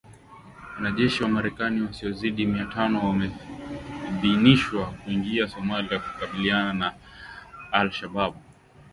Wanajeshi wa Marekani wasiozidi miaka tano wameidhinishwa kuingia Somalia kukabiliana na Al Shabaab